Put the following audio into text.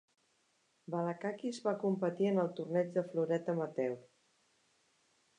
Balakakis va competir en el torneig de floret amateur.